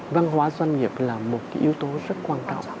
văn hóa doanh nghiệp là một yếu tố rất quan trọng